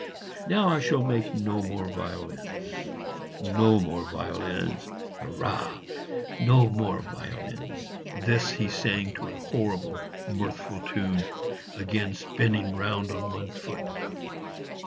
Now I shall make no more violins no more violins hurrah! no more violins!" This he sang to a horrible mirthful tune, again spinning round on one foot.